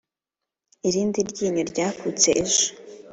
irindi ryinyo ryakutse. ejo